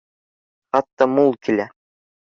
Хатта мул килә